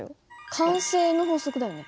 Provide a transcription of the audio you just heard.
慣性の法則だよね。